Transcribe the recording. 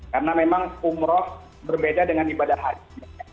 karena memang umroh berbeda dengan ibadah haji